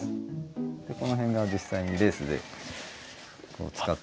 この辺が実際にレースで使ってる。